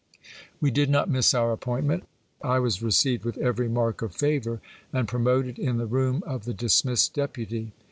We did not miss our appointment I was received with every mark of favour, and promoted in the room of the dismissed deputy.